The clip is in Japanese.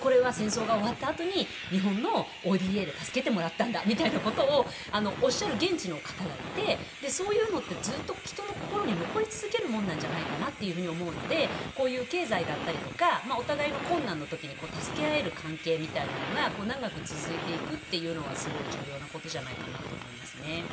これは戦争が終わった時に日本のＯＤＡで助けてもらったんだとおっしゃる現地の方がいてそういうのってずっと人の心に残り続けるものなんじゃないかと思うのでこういう経済だったりとかお互いの困難な時に助け合える関係みたいなのが長く続いていくというのはすごい重要なことじゃないかなと思いますね。